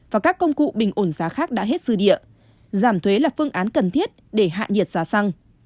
và các công cụ bình ổn giá khác đã hết dư địa giảm thuế là phương án cần thiết để hạ nhiệt giá xăng